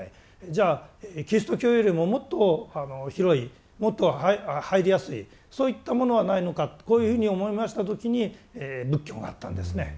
じゃあキリスト教よりももっと広いもっと入りやすいそういったものはないのかとこういうふうに思いました時に仏教があったんですね。